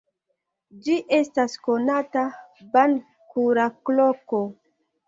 Ĝi estas konata ban-kuracloko.